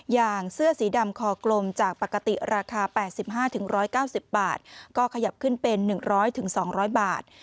อย่างเสื้อสีดำคอกลมจากปกติราคาแปดสิบห้าถึงร้อยเก้าสิบบาทก็ขยับขึ้นเป็นหนึ่งร้อยถึงสองร้อยบาท